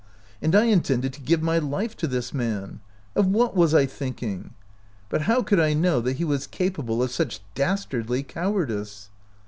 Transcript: And I intended to give my life to this man ! Of what was I thinking ? But how could I know that he was capable of such dastardly cowardice